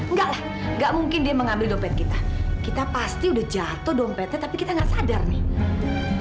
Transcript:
nggak lah nggak mungkin dia mau ambil dompet kita kita pasti udah jatuh dompetnya tapi kita nggak sadar nih